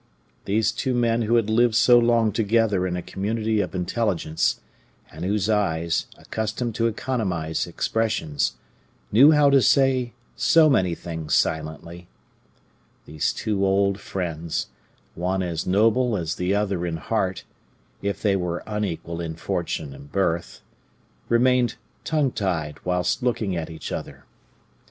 These two men who had lived so long together in a community of intelligence, and whose eyes, accustomed to economize expressions, knew how to say so many things silently these two old friends, one as noble as the other in heart, if they were unequal in fortune and birth, remained tongue tied whilst looking at each other.